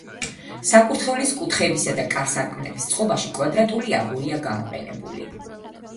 საკურთხევლის კუთხეებისა და კარ-სარკმლების წყობაში კვადრატული აგურია გამოყენებული.